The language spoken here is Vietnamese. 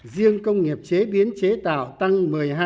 riêng công nghiệp chế biến chế tạo tăng một mươi hai